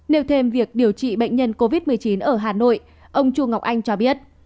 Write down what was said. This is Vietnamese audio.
nêu thêm việc điều trị bệnh nhân covid một mươi chín ở hà nội ông chu ngọc anh cho biết